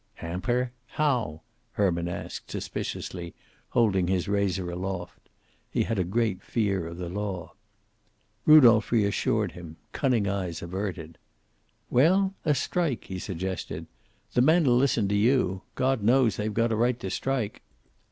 "Hamper? How?" Herman asked, suspiciously, holding his razor aloft. He had a great fear of the law. Rudolph re assured him, cunning eyes averted. "Well, a strike," he suggested. "The men'll listen to you. God knows they've got a right to strike."